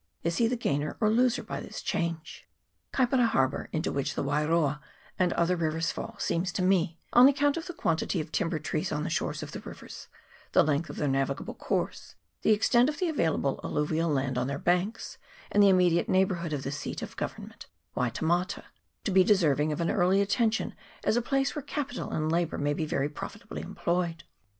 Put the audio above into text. Is he the gainer or loser by this change ? Kaipara Harbour, into which the Wairoa and other rivers fall, seems to me on account of the quantity of timber trees on the shores of the rivers, the length of their navigable course, the extent of the available alluvial land on their banks, and the immediate neighbourhood of the seat of govern ment, Wai te mata to be deserving of an early attention as a place where capital and labour may be very profitably employed.